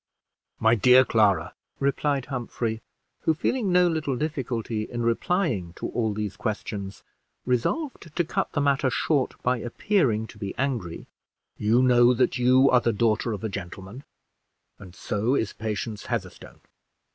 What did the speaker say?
"My dear Clara," replied Humphrey who, feeling no little difficulty in replying to all these questions, resolved to cut the matter short, by appearing to be angry "you know that you are the daughter of a gentleman, and so is Patience Heatherstone.